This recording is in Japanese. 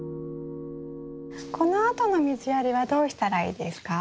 このあとの水やりはどうしたらいいですか？